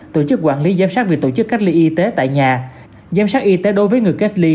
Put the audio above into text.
tổ chức quản lý giám sát việc tổ chức cách ly y tế tại nhà giám sát y tế đối với người cách ly